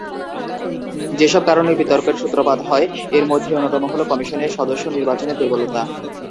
যেসব কারণে বিতর্কের সূত্রপাত হয়—এর মধ্যে অন্যতম হলো কমিশনের সদস্য নির্বাচনের দুর্বলতা।